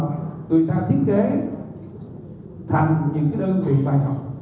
người ta thiết kế thành những cái lý viên này